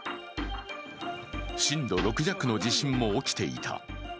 震度６弱の地震も起きていた。